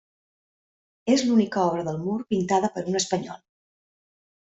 És l'única obra del mur pintada per un espanyol.